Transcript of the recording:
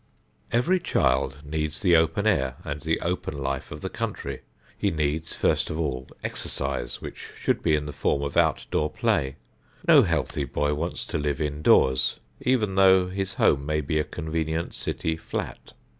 Every child needs the open air and the open life of the country. He needs, first of all, exercise which should be in the form of outdoor play. No healthy boy wants to live indoors, even though his home may be a convenient city "flat."